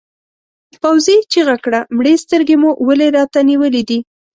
پوځي چیغه کړه مړې سترګې مو ولې راته نیولې دي؟